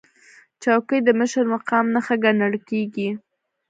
چوکۍ د مشر مقام نښه ګڼل کېږي.